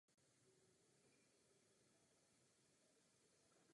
Podílel se na všech jejích albech jako hlavní zpěvák.